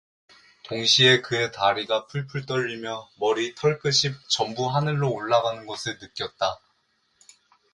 동시에 그의 다리가 풀풀 떨리며 머리털끝이 전부 하늘로 올라가는것을 느꼈다.